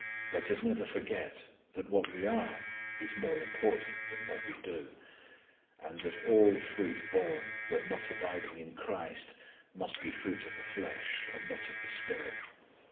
Let us never forget that what we are is more important than what we do; and that all fruit borne when not abiding in CHRIST must be fruit of the flesh, and not of the SPIRIT.